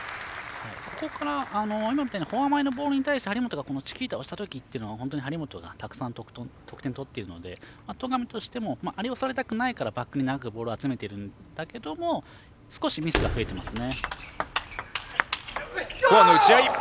ここから今みたいにフォア前のボールに対して張本がチキータをした時は張本がたくさん得点を取っているので戸上としてもあれをされたくないからバックに長くボールを集めているんだけども少しミスが増えていますね。